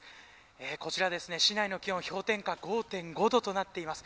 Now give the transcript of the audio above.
こちら市内の気温氷点下５．５度となっています。